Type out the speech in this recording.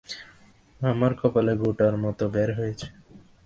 আমার কপালে গোটার মত বের হয়েছে।